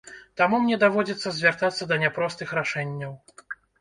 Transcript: Таму мне даводзіцца звяртацца да няпростых рашэнняў.